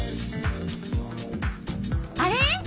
あれ？